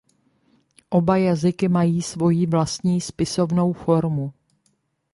Oba jazyky mají svoji vlastní spisovnou formu.